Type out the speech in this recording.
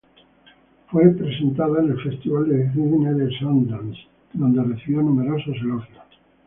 Fue presentada en el Festival de Cine de Sundance, donde recibió numerosos elogios.